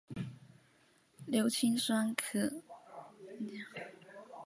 硫氰酸钯可由硝酸钯或氯化钯和硫氰酸铵溶液反应得到。